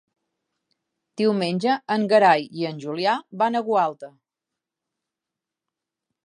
Diumenge en Gerai i en Julià van a Gualta.